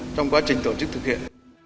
trong quá trình tổ chức thực hiện